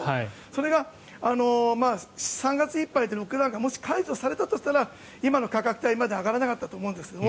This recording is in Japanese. それが、３月いっぱいでロックダウンがもし解除されたとしたら今の価格帯まで上がらなかったと思うんですが